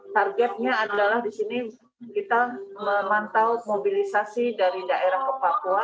targetnya adalah di sini kita memantau mobilisasi dari daerah ke papua